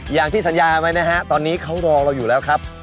อย่างที่สัญญาไว้นะฮะตอนนี้เขารอเราอยู่แล้วครับ